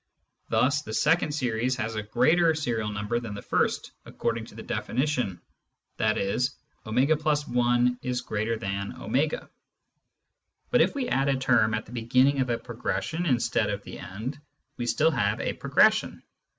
Thus the second series has a greater serial number than the first, according to the definition — i.e. to+i is greater than u>. But if we add a term at the beginning of a progression instead of the end, we still have a progression.